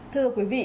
thưa quý vị